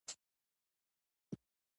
د مالوچو پروسس ماشینونه شته